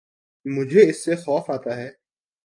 مجھے اس سے خوف آتا ہے